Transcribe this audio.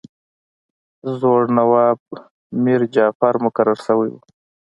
زوړ نواب میرجعفر مقرر شوی وو.